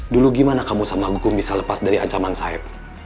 dulu gimana kamu sama hukum bisa lepas dari ancaman saya